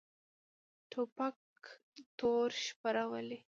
توپک توره شپه راولي.